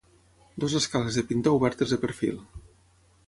Dues escales de pintor obertes de perfil.